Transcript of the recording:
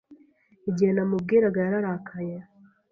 Igihe namubwiraga, yararakaye.